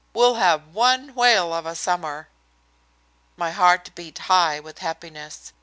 We'll have one whale of a summer." My heart beat high with happiness.